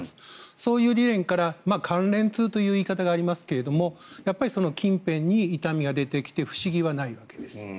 そういう考えから関連痛という言い方がありますが近辺に痛みが出てきても不思議はないわけです。